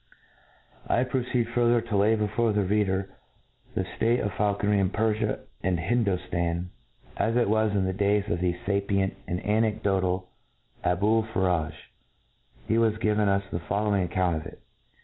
I proj:ced fur, thcr to lay before the reader the ftate of faulconry in Perfia and Hindoftan, as it was in the days of the fapicnt and anecdotical Abul^farage, who has given us the following ;account of it.